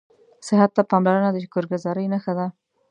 صحت ته پاملرنه د شکرګذارۍ نښه ده